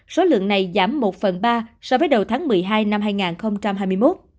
số lượng này giảm một phần ba so với đầu tháng một mươi hai năm hai nghìn hai mươi một